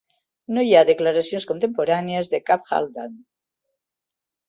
No hi ha declaracions contemporànies de cap Halfdan.